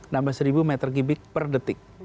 nambah satu m tiga per detik